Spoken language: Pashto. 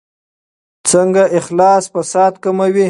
څنګه اخلاص فساد کموي؟